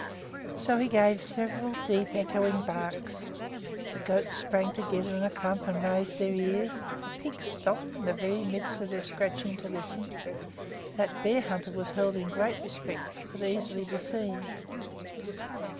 So he gave several deep, echoing barks. The goats sprang together in a clump and raised their ears; the pigs stopped in the very midst of their scratching to listen. That Bearhunter was held in great respect could easily be seen.